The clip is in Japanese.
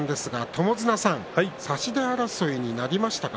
友綱さん、差し手争いになりましたか？